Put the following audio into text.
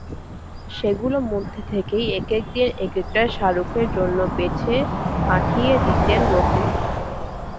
সেগুলো মধ্যে থেকেই একেক দিন একেকটা শাহরুখের জন্য বেছে পাঠিয়ে দিতেন রোহিত।